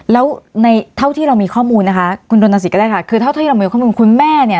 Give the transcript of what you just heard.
แล้วในเท่าที่เรามีข้อมูลนะคะคุณดนสิทธิก็ได้ค่ะคือเท่าที่เรามีข้อมูลคุณแม่เนี่ย